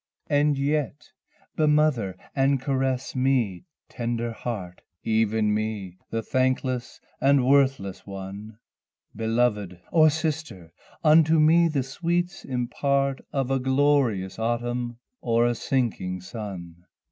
And yet bemother and caress me, tender heart! Even me the thankless and the worthless one; Beloved or sister unto me the sweets impart Of a glorious autumn or a sinking sun.